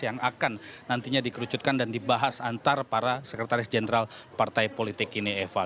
yang akan nantinya dikerucutkan dan dibahas antara para sekretaris jenderal partai politik ini eva